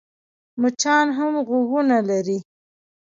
مچان هم غوږونه لري .